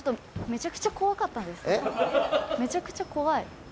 めちゃくちゃ怖い。